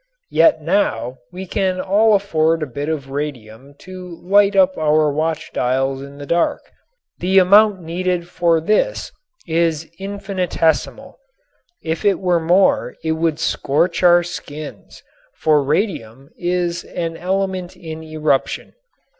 Yet now we can all afford a bit of radium to light up our watch dials in the dark. The amount needed for this is infinitesimal. If it were more it would scorch our skins, for radium is an element in eruption.